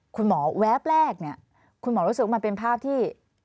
แวบแรกเนี่ยคุณหมอรู้สึกว่ามันเป็นภาพที่